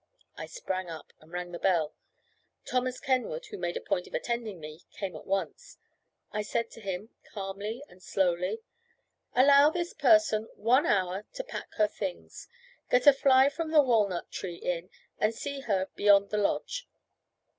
I sprang up, and rang the bell. Thomas Kenwood, who made a point of attending me, came at once. I said to him, calmly and slowly: "Allow this person one hour to pack her things. Get a fly from the Walnut Tree Inn, and see her beyond the Lodge."